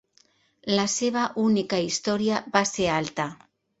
La seva única història va ser alta.